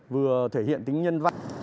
vừa thể hiện tính nhân văn